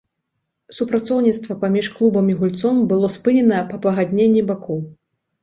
Супрацоўніцтва паміж клубам і гульцом было спынена па пагадненні бакоў.